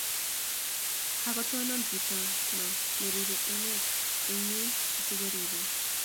Kagotonon chiton neribe emet eng yuun asigoribech